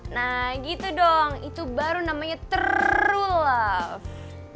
nah gitu dong itu baru namanya true love